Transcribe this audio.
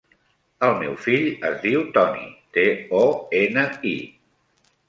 El meu fill es diu Toni: te, o, ena, i.